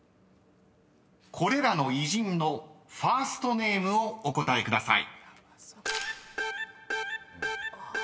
［これらの偉人のファーストネームをお答えください］